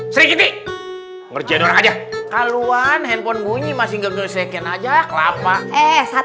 srikiti ngerjain orang aja kaluan handphone bunyi masih nggak bisa seken aja kelapa eh